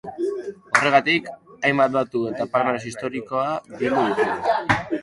Horregatik, hainbat datu eta palmares historikoa bildu ditugu.